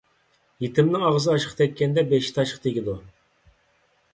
يېتىمنىڭ ئاغزى ئاشقا تەگكەندە، بېشى تاشقا تېگىدۇ.